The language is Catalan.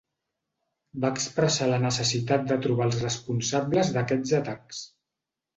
Va expressar la necessitat de trobar els responsables d'aquests atacs.